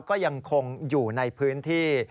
ก็ยังคงอยู่ในพื้นที่